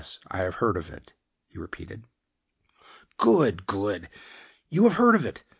I have heard of it," he repeated. "Good, good. You have heard of it.